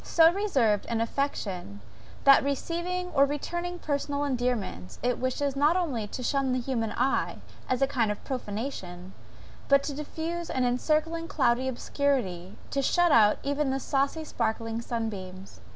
So reserved is affection, that, receiving or returning personal endearments, it wishes, not only to shun the human eye, as a kind of profanation; but to diffuse an encircling cloudy obscurity to shut out even the saucy sparkling sunbeams.